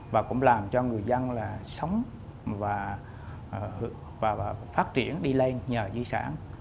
và cũng làm cho người dân là sống và phát triển đi lên nhờ di sản